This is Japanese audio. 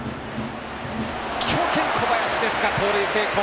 強肩の小林ですが盗塁成功！